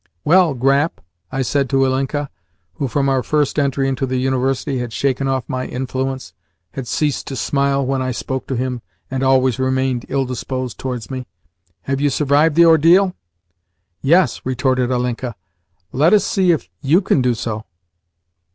"Well, Grap," I said to Ilinka (who, from our first entry into the University, had shaken off my influence, had ceased to smile when I spoke to him, and always remained ill disposed towards me), "have you survived the ordeal?" "Yes," retorted Ilinka. "Let us see if YOU can do so."